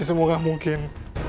ini semua gak mungkin